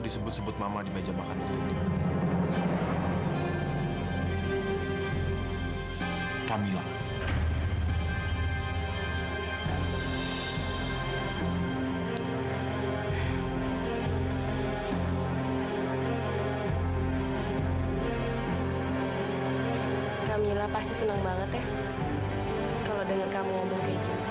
dia setia banget sama kamilah